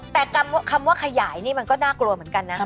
แต่คำว่าขยายนี่มันก็น่ากลัวเหมือนกันนะ